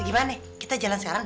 gimana kita jalan sekarang